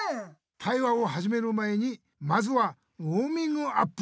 対話をはじめる前にまずはウォーミングアップ。